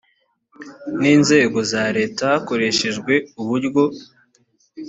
n inzego za leta hakoreshejwe uburyo